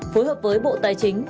phối hợp với bộ tài chính